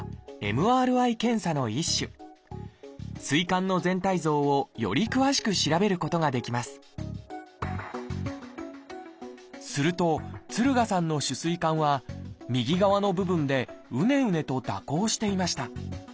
膵管の全体像をより詳しく調べることができますすると敦賀さんの主膵管は右側の部分でうねうねと蛇行していました。